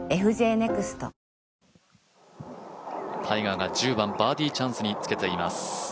タイガーが１０番、バーディーチャンスにつけています。